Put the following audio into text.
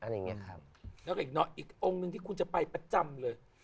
แล้วก็อีกองค์นึงที่คุณจะไปประจำเลย